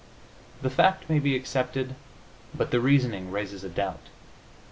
The fact may be accepted, but the reasoning raises a doubt.